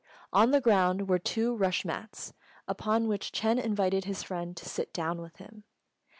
On the ground were two rush mats, upon which Ch'êng invited his friend to sit down with him.